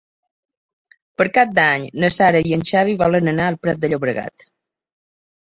Per Cap d'Any na Sara i en Xavi volen anar al Prat de Llobregat.